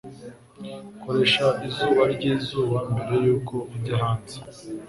Koresha izuba ryizuba mbere yuko ujya hanze.